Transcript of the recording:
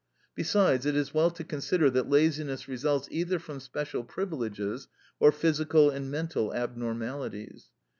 Besides, it is well to consider that laziness results either from special privileges, or physical and mental abnormalities.